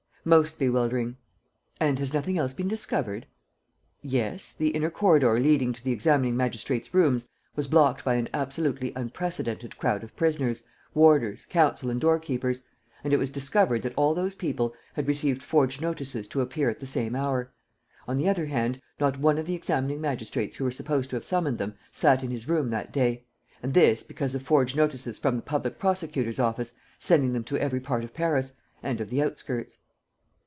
"Most bewildering." "And has nothing else been discovered?" "Yes. The inner corridor leading to the examining magistrates' rooms was blocked by an absolutely unprecedented crowd of prisoners, warders, counsel and doorkeepers; and it was discovered that all those people had received forged notices to appear at the same hour. On the other hand, not one of the examining magistrates who were supposed to have summoned them sat in his room that day; and this because of forged notices from the public prosecutor's office, sending them to every part of Paris ... and of the outskirts."